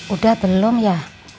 udah belum ya